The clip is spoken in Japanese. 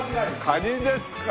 カニですか。